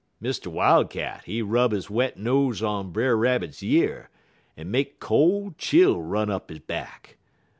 "Mr. Wildcat, he rub he wet nose on Brer Rabbit year, en make cole chill run up he back.